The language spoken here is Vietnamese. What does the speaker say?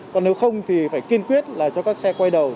còn nếu không thì phải kiên quyết là cho các xe quay đầu